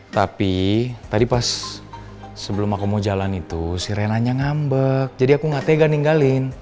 tapi tadi pas sebelum aku mau jalan itu si renanya ngambek jadi aku gak tega ninggalin